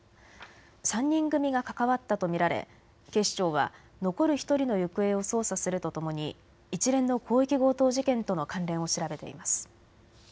３人組が関わったと見られ警視庁は残る１人の行方を捜査するとともに一連の広域強盗事件との関連を調べています。